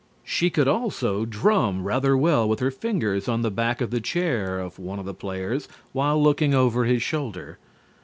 She could also drum rather well with her fingers on the back of the chair of one of the players while looking over his shoulder.